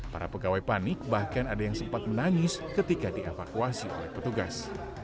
para pegawai panik bahkan ada yang sempat menangis ketika dievakuasi oleh petugas